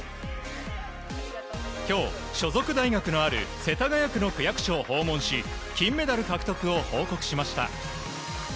今日、所属大学のある世田谷区の区役所を訪問し金メダル獲得を報告しました。